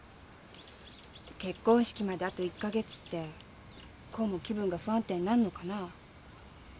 結婚式まであと１か月ってこうも気分が不安定になるのかなぁ。